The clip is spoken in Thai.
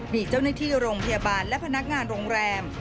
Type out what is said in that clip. มีเจ้าหน้าที่โรงพยาบาลและพนักงานโรงแรม